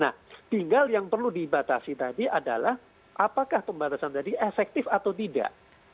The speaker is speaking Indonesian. nah tinggal yang perlu dibatasi tadi adalah apakah pembatasan tadi efektif atau tidak